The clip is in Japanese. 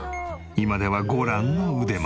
今ではご覧の腕前。